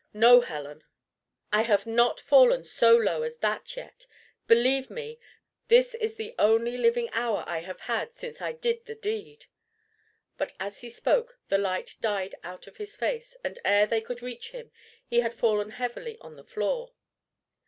No, Helen, I have not fallen so low as that yet. Believe me, this is the only living hour I have had since I did the deed!" But as he spoke, the light died out of his face, and ere they could reach him he had fallen heavily on the floor.